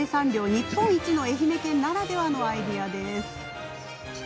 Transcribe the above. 日本一の愛媛県ならではのアイデアです。